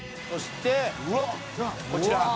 「そしてこちら」